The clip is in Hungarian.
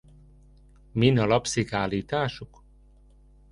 Min alapszik állításunk?